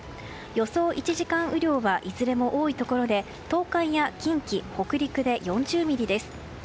予想１時間雨量はいずれも多いところで東海や近畿、北陸で４０ミリです。